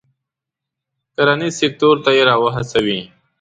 کرنیز سکتور ته یې را و هڅوي.